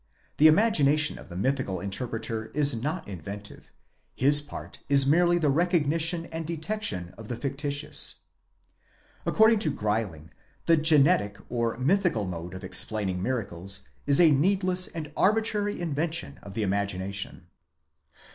The imagination of the mythical interpreter is not inventive ; his part is merely the recognizing and detecting of the fictitious.) According to Greiling the genetic, or mythical mode of explaining miracles, is a needless and arbitrary invention of the imagination.